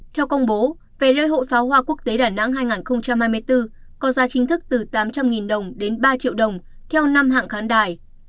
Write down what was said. theo công bố về lễ hội pháo hoa quốc tế đà nẵng hai nghìn hai mươi bốn có giá chính thức từ tám trăm linh đồng đến ba triệu đồng theo năm hạng khán đài